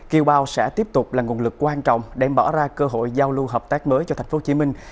kiều bào sẽ tiếp tục là nguồn lực quan trọng để bỏ ra cơ hội giao lưu hợp tác mới cho thành phố hồ chí minh